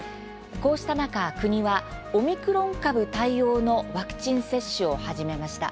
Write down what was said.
こうした中国はオミクロン株対応のワクチン接種を始めました。